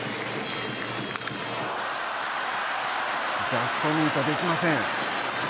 ジャストミートできません。